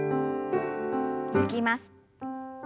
抜きます。